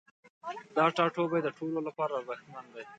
دا ټاتوبی د ټولو لپاره ارزښتمن دی